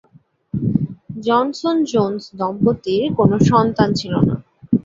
Johnson-Jones দম্পতির কোন সন্তান ছিল না।